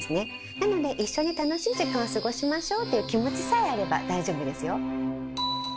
なので「一緒に楽しい時間を過ごしましょう」という気持ちさえあれば大丈夫ですよ。